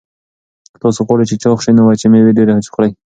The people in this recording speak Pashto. که تاسي غواړئ چې چاغ شئ نو وچې مېوې ډېرې خورئ.